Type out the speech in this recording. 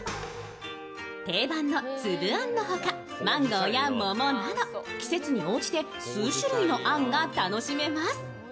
定番のつぶあんのほか、マンゴーやももなど、季節に応じて数種類のあんが楽しめます。